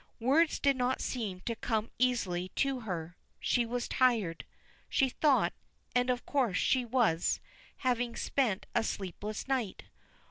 Words did not seem to come easily to her. She was tired, she thought, and of course she was, having spent a sleepless night.